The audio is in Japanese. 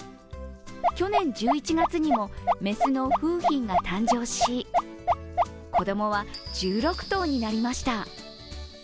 去年１１月にも雌の楓浜が誕生し、子供は１６頭になりました。